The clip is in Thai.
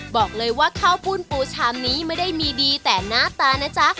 บอกเลยว่าข้าวปุ้นปูชามนี้ไม่ได้มีดีแต่หน้าตานะจ๊ะ